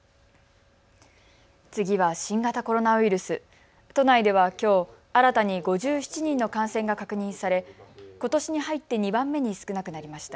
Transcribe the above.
次は新型コロナウイルス、都内ではきょう新たに５７人の感染が確認されことしに入って２番目に少なくなりました。